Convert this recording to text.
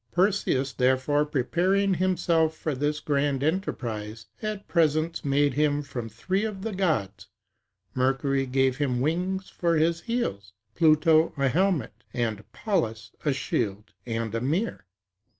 Perseus, therefore, preparing himself for this grand enterprise, had presents made him from three of the gods: Mercury gave him wings for his heels; Pluto, a helmet; and Pallas, a shield and a mirror.